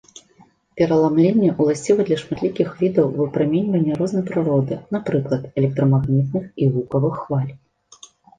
Пераламленне ўласціва для шматлікіх відаў выпраменьвання рознай прыроды, напрыклад, электрамагнітных і гукавых хваль.